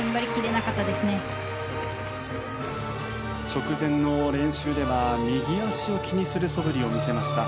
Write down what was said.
直前の練習では右足を気にするそぶりを見せました。